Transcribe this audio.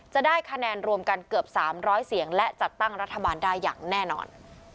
จะได้คะแนนรวมกันเกือบ๓๐๐เสียงและจัดตั้งรัฐบาลได้อย่างแน่นอน